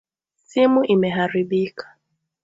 Simu imeharibika.